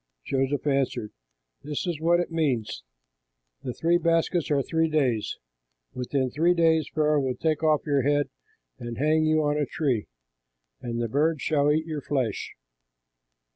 Joseph answered, "This is what it means: the three baskets are three days; within three days Pharaoh will take off your head and hang you on a tree, and the birds shall eat your flesh."